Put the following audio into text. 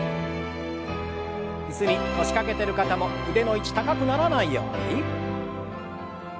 椅子に腰掛けてる方も腕の位置高くならないように。